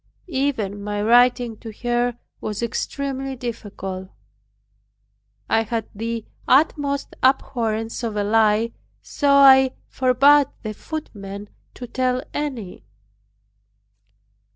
Even my writing to her was extremely difficult. I had the utmost abhorrence of a lie, so I forbade the footman to tell any.